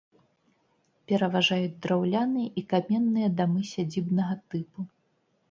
Пераважаюць драўляныя і каменныя дамы сядзібнага тыпу.